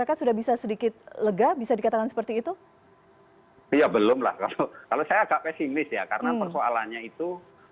karena persoalannya itu